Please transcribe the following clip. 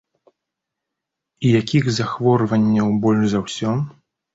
І якіх захворванняў больш за ўсё?